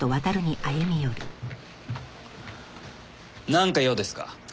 なんか用ですか？